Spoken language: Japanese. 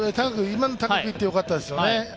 今の高くいってよかったですよね。